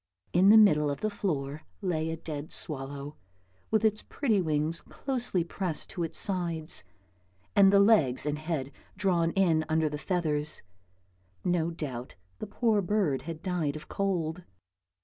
In the middle of the floor lay a dead swallow, with its pretty wings closely pressed to its sides, and the legs and head drawn in under the feathers; no doubt the poor bird had died of cold.